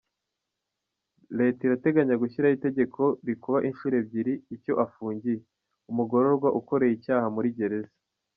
Leta irateganya gushyiraho itegeko rikuba inshuro ebyiri icyo afungiye, umugororwa ukoreye icyaha muri gereza.